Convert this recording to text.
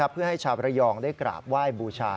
เพื่อให้ชาวประยองได้กราบไหว้บูชา